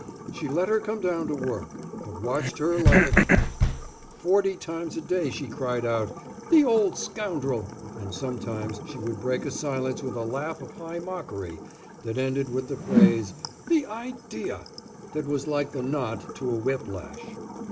She let her come down to work, but watched her like a cat. Forty times a day she cried out, "The old scoundrel!" and sometimes she would break a silence with a laugh of high mockery, that ended with the phrase, "The idea!" that was like the knot to a whip lash.